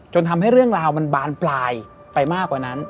ทำให้เรื่องราวมันบานปลายไปมากกว่านั้น